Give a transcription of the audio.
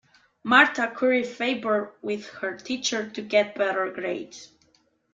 Marta curry favored with her teacher to get better grades.